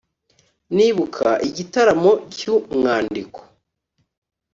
nibuka igitaramo cyu mwaandiko.